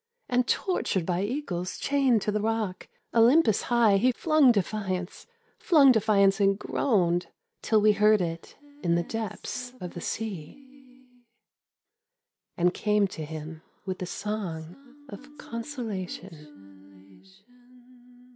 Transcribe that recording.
And tortured by eagles chained to the rock, Olympus high he flung defiance, flung defiance and groaned, Till we heard it in the depths of the sea, And came to him with the song of consolation.